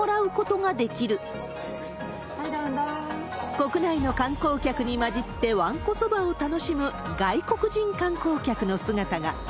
国内の観光客に交じって、わんこそばを楽しむ外国人観光客の姿が。